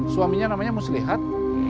suaminya namanya muslihat